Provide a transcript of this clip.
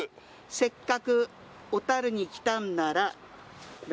「せっかく小樽に来たんなら」これ？